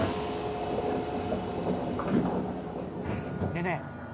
ねえねえ。